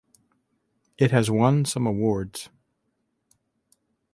It has won some awards.